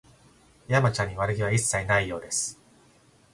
山ちゃんに悪気は一切ないようです